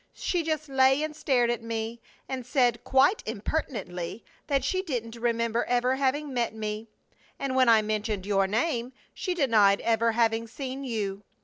She just lay and stared at me and said, quite impertinently, that she didn't remember ever having met me. And when I mentioned your name she denied ever having seen you.